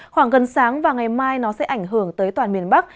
khoảng gần sáng và ngày mai nó sẽ ảnh hưởng tới toàn miền bắc